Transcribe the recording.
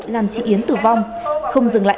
làm chị yến tử vong không dừng lại